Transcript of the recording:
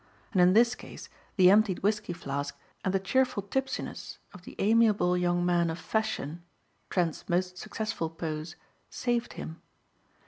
And in this case the emptied whiskey flask and the cheerful tipsiness of the amiable young man of fashion Trent's most successful pose saved him.